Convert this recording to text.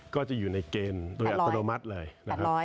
ก็จะอยู่ในเกณฑ์โดยอัตโนมัติเลยนะครับ